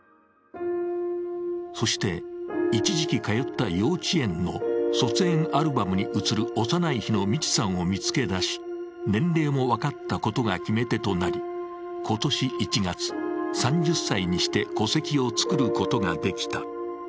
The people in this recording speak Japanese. そして、一時期通った幼稚園の卒園アルバムに写る幼い日のミチさんを見つけ出し、年齢も分かったことが決め手となり、今年１月、３０歳にして戸籍を作ることができた。